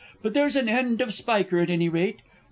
But there's an end of Spiker, at any rate.